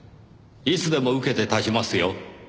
いつでも受けて立ちますよ。